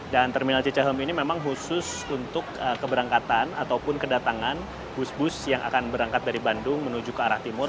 terminal cicahem ini memang khusus untuk keberangkatan ataupun kedatangan bus bus yang akan berangkat dari bandung menuju ke arah timur